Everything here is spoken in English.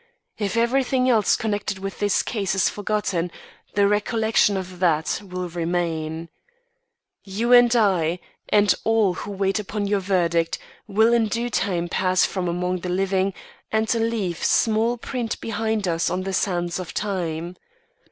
If everything else connected with this case is forgotten, the recollection of that will remain. You, and I, and all who wait upon your verdict, will in due time pass from among the living, and leave small print behind us on the sands of time.